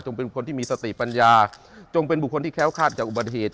เป็นคนที่มีสติปัญญาจงเป็นบุคคลที่แค้วคาดจากอุบัติเหตุ